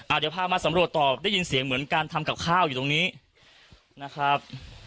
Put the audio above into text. เดี๋ยวพามาสำรวจตอบได้ยินเสียงเหมือนการทำกับข้าวอยู่ตรงนี้นะครับ